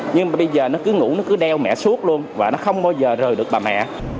nhưng mà bây giờ nó cứ ngủ nó cứ đeo mẹ suốt luôn và nó không bao giờ rời được bà mẹ